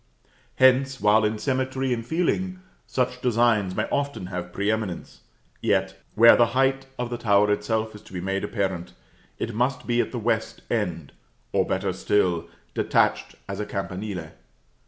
Hence, while, in symmetry and feeling, such designs may often have pre eminence, yet, where the height of the tower itself is to be made apparent, it must be at the west end, or better still, detached as a campanile.